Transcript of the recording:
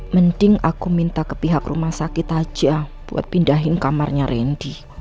mending aku minta ke pihak rumah sakit aja buat pindahin kamarnya randy